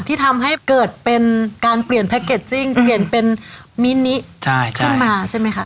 ที่ทำให้เกิดเป็นการเปลี่ยนแพ็คเกจจิ้งเปลี่ยนเป็นมินิขึ้นมาใช่ไหมคะ